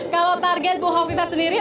kalau target bu hovita sendiri